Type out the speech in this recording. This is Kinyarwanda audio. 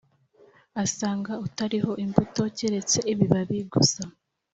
asanga utariho imbuto keretse ibibabi gusa